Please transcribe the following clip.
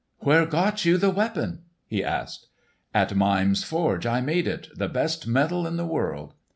"Where got you the weapon?" he asked. "At Mime's forge I made it—the best metal in the world!"